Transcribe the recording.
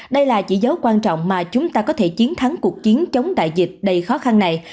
đây là chỉ dấu quan trọng mà chúng ta có thể chiến thắng cuộc chiến chống đại dịch đầy khó khăn này